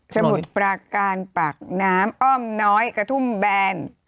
สมุทรปราการปากน้ำอ้อมน้อยกระทุ่มแบน